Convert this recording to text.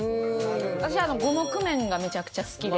私五目麺がめちゃくちゃ好きで。